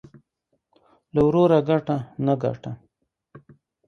له وروره گټه ، نه گټه.